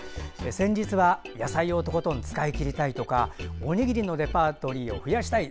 先日は野菜をとことん使い切りたいとかおにぎりのレパートリーを増やしたい。